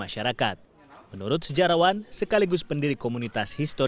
jepang jawa tengah